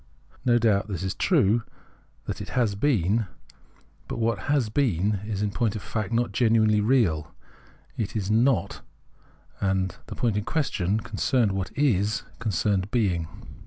No doubt this is true, that it has been ; but what has been is in point of fact not genuinely real, it is not, and the point in question concerned what is, concerned being.